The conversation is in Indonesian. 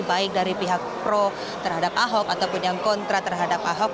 baik dari pihak pro terhadap ahok ataupun yang kontra terhadap ahok